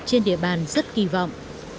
trên địa bàn rất kỳ vọng